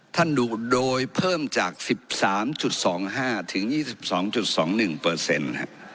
ท่านดูโดยเพิ่มจาก๑๓๒๕ถึง๒๒๒๑